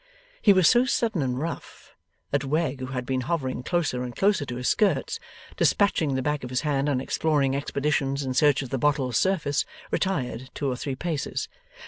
He was so sudden and rough, that Wegg, who had been hovering closer and closer to his skirts, despatching the back of his hand on exploring expeditions in search of the bottle's surface, retired two or three paces.